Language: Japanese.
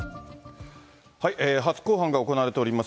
初公判が行われております